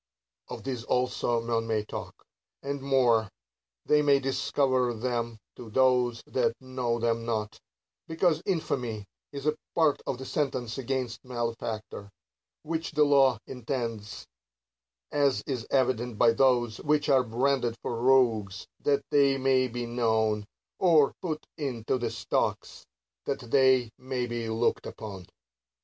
Of these also men may talk ; and more, they may discover them to those that know them not : because infamy is a part of the sentence against malefactors, which the law intends ; as is evident by those, which are branded for rogues that they may be known, or put into the stocks that they THE COUNTRY PARSON. 85 may be looked upon.